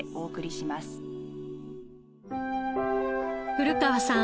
古川さん